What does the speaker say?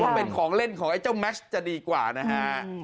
เป็นของเล่นของไอ้เจ้าแม็กซ์จะดีกว่านะฮะ